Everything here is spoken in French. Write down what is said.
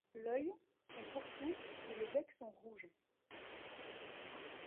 L'œil, son pourtour et le bec sont rouges.